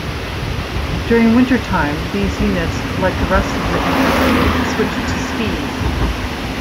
During winter time these units, like the rest of the infantry, switched to skis.